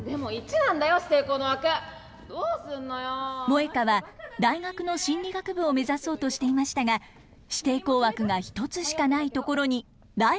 モエカは大学の心理学部を目指そうとしていましたが指定校枠が１つしかないところにライバルが現れました。